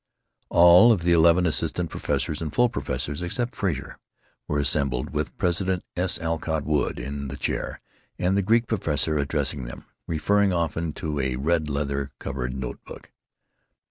All of the eleven assistant professors and full professors, except Frazer, were assembled, with President S. Alcott Wood in the chair, and the Greek professor addressing them, referring often to a red leather covered note book.